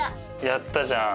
やったじゃん。